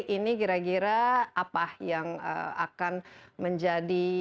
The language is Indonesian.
ini kira kira apa yang akan menjadi